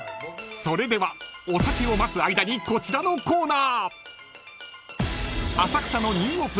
［それではお酒を待つ間にこちらのコーナー］